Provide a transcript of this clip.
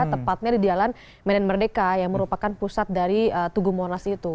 tepatnya di jalan medan merdeka yang merupakan pusat dari tugu monas itu